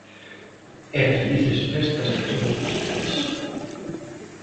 E felices festas a todos vostedes.